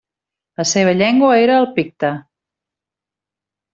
La seva llengua era el picte.